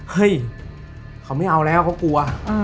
เฮ้ยเขาไม่เอาแล้วเขากลัว